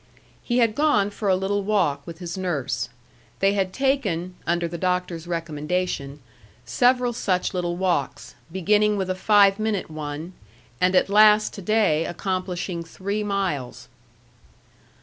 He had gone for a little walk with his nurse. They had taken (under the doctor's recommendation) several such little walks, beginning with a five minute one, and at last to day accomplishing three miles.